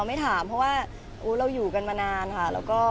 ไม่ถามเพราะว่าเราอยู่กันมานานค่ะ